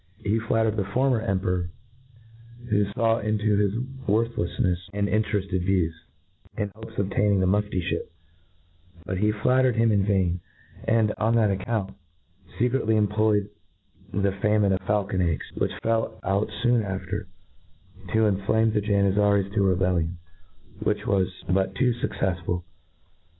He flat tered the fprmer emppror, who law into his worth lei&iefs and interefted views, in hopes of obtain ing the Muftiihip ; but he filtered him in vain, ^nd, on that account, fecretly employed the fa mine of feiUcpn ^ggsj, which fell out fqoa after, to inflame the Janizaries to a rebellion; which was but too £iccefsfttl.